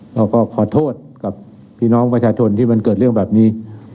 ขอโทษกับพี่น้องประชาชนที่มันเกิดเรื่องแบบนี้